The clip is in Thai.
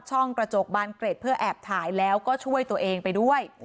ช่องกระจกบานเกร็ดเพื่อแอบถ่ายแล้วก็ช่วยตัวเองไปด้วย